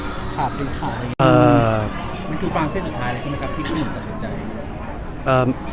มันคือฟางเส้นสุดท้ายเลยใช่ไหมครับที่ผู้หญิงตัดสินใจ